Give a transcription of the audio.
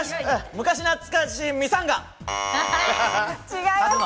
昔懐かし、ミサンガ。